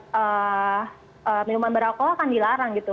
maka minuman beralkohol akan dilarang